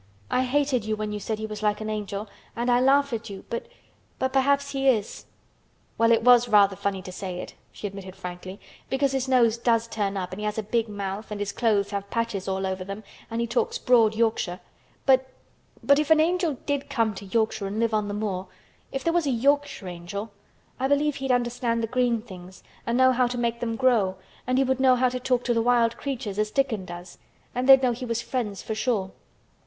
I hated you when you said he was like an angel and I laughed at you but—but perhaps he is." "Well, it was rather funny to say it," she admitted frankly, "because his nose does turn up and he has a big mouth and his clothes have patches all over them and he talks broad Yorkshire, but—but if an angel did come to Yorkshire and live on the moor—if there was a Yorkshire angel—I believe he'd understand the green things and know how to make them grow and he would know how to talk to the wild creatures as Dickon does and they'd know he was friends for sure."